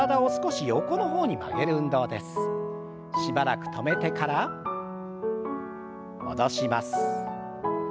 しばらく止めてから戻します。